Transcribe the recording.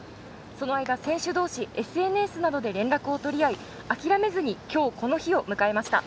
その間、選手同士ＳＮＳなどで連絡を取り合い諦めずに今日、この日を迎えました。